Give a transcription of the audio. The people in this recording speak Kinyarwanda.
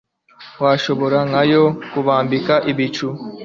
washobora nka yo kubambika ibicu